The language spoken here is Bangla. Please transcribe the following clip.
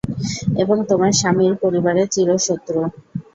এবং তোমার স্বামীর পরিবারের চির শত্রু।